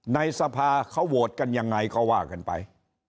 ในสภาเขาโหวตกันยังไงก็ว่ากันไป